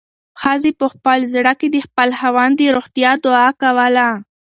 ښځې په خپل زړه کې د خپل خاوند د روغتیا دعا کوله.